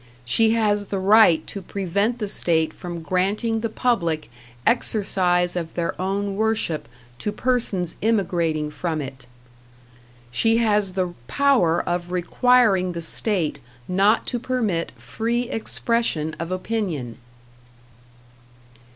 She has the right to prevent the state from granting the public exercise of their own worship to persons immigrating from it. She has the power of requiring the state not to permit free expression of opinion.